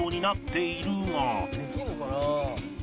「できるのかな？」